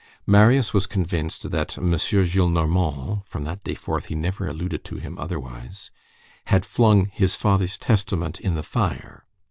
Marius was convinced that "Monsieur Gillenormand"—from that day forth he never alluded to him otherwise—had flung "his father's testament" in the fire.